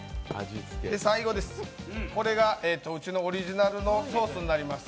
最後、これがうちのオリジナルのソースになります。